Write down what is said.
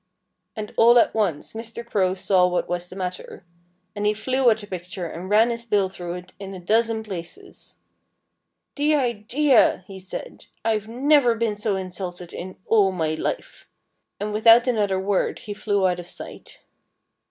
And all at once Mr. Crow saw what was the matter. And he flew at the picture and ran his bill through it in a dozen places. "The idea!" he said. "I've never been so insulted in all my life!" And without another word he flew out of sight.